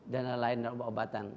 dan lain lain obatan